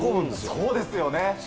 そうですよね！